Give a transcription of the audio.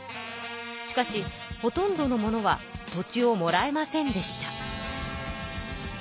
しかしほとんどの者は土地をもらえませんでした。